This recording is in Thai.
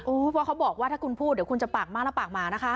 เพราะเขาบอกว่าถ้าคุณพูดเดี๋ยวคุณจะปากมากและปากหมานะคะ